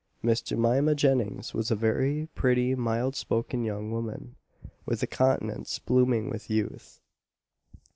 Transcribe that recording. Miss Jemima Jennings was a very pretty mild spoken young woman, with a countenance blooming with youth.